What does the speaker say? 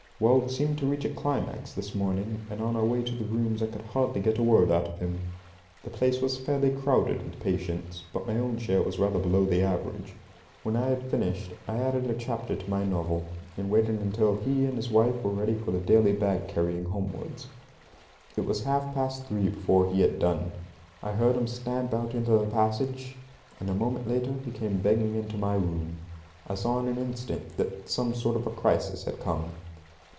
Well, it seemed to reach a climax this morning, and on our way to the rooms I could hardly get a word out of him. The place was fairly crowded with patients, but my own share was rather below the average. When I had finished I added a chapter to my novel, and waited until he and his wife were ready for the daily bag carrying homewards. It was half past three before he had done. I heard him stamp out into the passage, and a moment later he came banging into my room. I saw in an instant that some sort of a crisis had come.